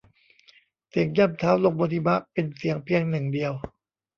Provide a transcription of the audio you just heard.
เสียงย่ำเท้าลงบนหิมะเป็นเสียงเพียงหนึ่งเดียว